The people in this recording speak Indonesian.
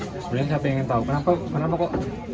sebenarnya saya pengen tahu kenapa kok